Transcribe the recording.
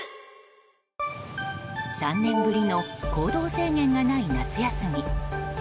３年ぶりの行動制限がない夏休み。